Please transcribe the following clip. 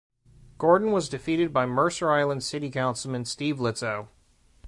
Gordon was defeated by Mercer Island City Councilman Steve Litzow.